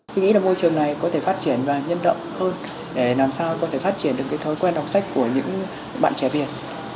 tôi nghĩ là môi trường này có thể phát triển và nhân động hơn để làm sao có thể phát triển được cái thói quen đọc sách của những bạn trẻ việt